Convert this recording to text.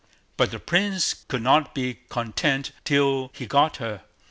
But the Prince could not be content till he got her.